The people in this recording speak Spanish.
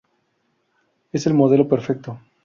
Es el modelo perfecto.